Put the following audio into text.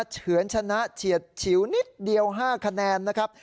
เฉือนชนะเฉียดฉิวนิดเดียว๕คะแนนนะครับ